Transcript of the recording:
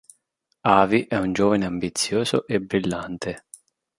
Avi è un giovane ambizioso e brillante.